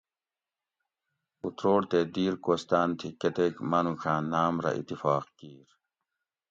اُتروڑ تے دیر کوہستان تھی کۤتیک مانوڄاۤں ناۤم رہ اتفاق کیر